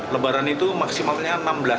lebaran itu maksimalnya enam belas